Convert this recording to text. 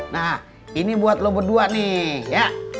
nah ini buat lo berdua nih ya